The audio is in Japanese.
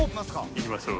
いきましょう。